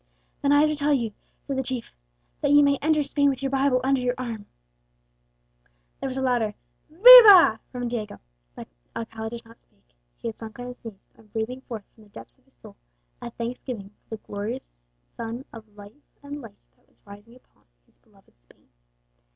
'Then I have to tell you,' said the chief, 'that you may enter Spain with your Bible under your arm.'" There was a louder viva from Diego. But Alcala did not speak; he had sunk on his knees, and was breathing forth from the depths of his soul a thanksgiving for the glorious sun of life and light that was rising upon his beloved Spain.